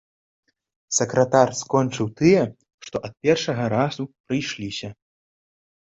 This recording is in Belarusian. Сакратар скончыў тыя, што ад першага разу прыйшліся.